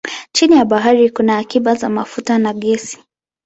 Chini ya bahari kuna akiba za mafuta na gesi.